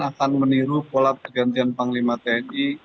akan meniru pola pergantian panglima tni